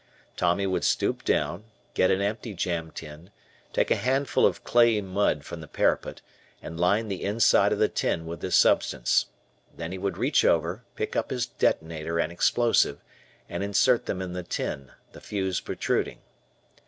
Tommy would stoop down, get an empty "jam tin," take a handful of clayey mud from the parapet, and line the inside of the tin with this substance. Then he would reach over, pick up his detonator and explosive, and insert them in the tin, the fuse protruding.